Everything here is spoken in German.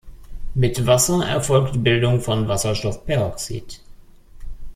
Mit Wasser erfolgt Bildung von Wasserstoffperoxid.